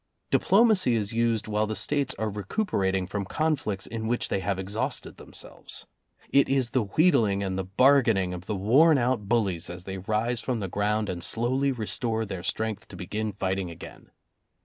Diplomacy is used while the States are recuperating from conflicts in which they have exhausted themselves. It is the wheedling and the bargaining of the worn out bullies as they rise from the ground and slowly restore their strength to begin fighting again.